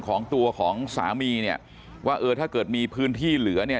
ของตัวของสามีเนี่ยว่าเออถ้าเกิดมีพื้นที่เหลือเนี่ย